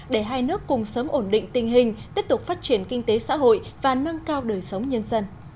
để hai nước cùng sớm ổn định tình hình tiếp tục phát triển kinh tế xã hội và nâng cao đời sống nhân dân